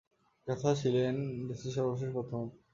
যথা ছিলেন দেশের সর্বশেষ প্রধানমন্ত্রী।